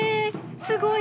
すごい！